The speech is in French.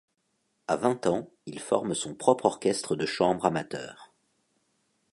À vingt ans, il forme son propre orchestre de chambre amateur.